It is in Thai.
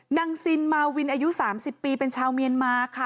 นางซินมาวินอายุ๓๐ปีเป็นชาวเมียนมาค่ะ